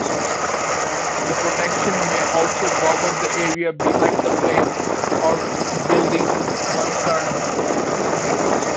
The protection may also cover the area behind the place or building concerned.